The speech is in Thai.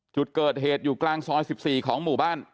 จุดเกิดเหตุอยู่กลางซอย๑๔ของหมู่บ้าน